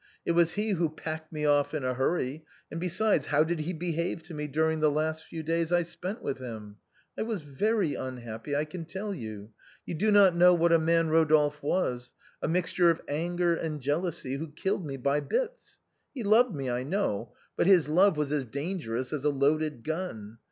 It was he who packed me off in a hurry, and, besides, how did he behave to me during the last few days I spent with him? I was very unhappy, I can tell you. You do not know what a man Eodolphe was; a mixture of anger and jealousy, who killed me by bits. He loved me, I know, but his love was as dangerous as a loaded gun.